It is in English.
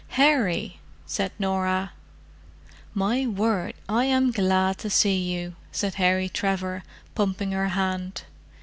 "Harry!" said Norah. "My word, I am glad to see you!" said Harry Trevor, pumping her hand.